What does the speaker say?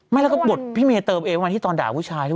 ไม่แล้วก็บทพี่เมเติบเองมาที่ตอนด่าผู้ชาย